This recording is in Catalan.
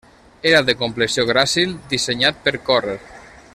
Era de complexió gràcil, dissenyat per córrer.